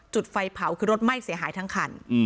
จุดไฟเผาคือรถไหม้เสียหายทั้งคัน